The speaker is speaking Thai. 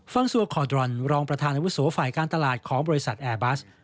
ฟังซัวคอดรอนรองประธานอาวุโสฝ่ายการตลาดของบริษัทแอร์บัส